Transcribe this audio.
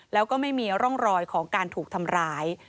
แล้วก็ไม่มีร่องรอยของการถูกทำร้าย